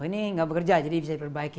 ini nggak bekerja jadi bisa diperbaiki